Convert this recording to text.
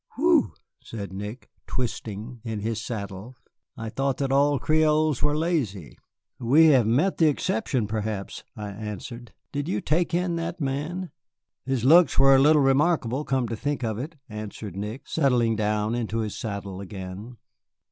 "Phew!" said Nick, twisting in his saddle, "I thought that all Creoles were lazy." "We have met the exception, perhaps," I answered. "Did you take in that man?" "His looks were a little remarkable, come to think of it," answered Nick, settling down into his saddle again.